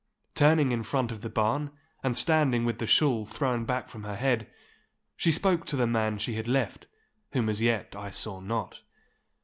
Turning in front of the barn, and standing with the shawl thrown back from her head, she spoke to the man she had left, whom as yet I saw not.